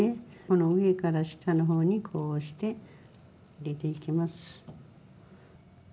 この上から下の方にこうして入れていきます。